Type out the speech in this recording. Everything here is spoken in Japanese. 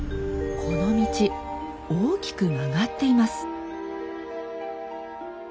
この道大きく曲がっています。